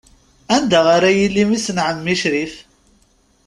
Anda ara yili mmi-s n ɛemmi Crif?